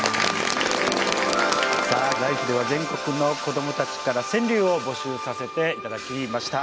さあ、「ＬＩＦＥ！」では全国の子どもたちから、川柳を募集させていただきました。